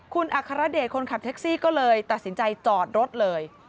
คุณอัครเดชคนขับแท็กซี่ก็เลยตัดสินใจจอดรถเลย